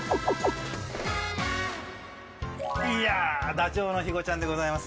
ダチョウの肥後ちゃんでございます。